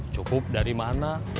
cukup dari mana